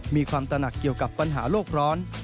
มีความตนักเกี่ยวกับปัญหาโลกร้อน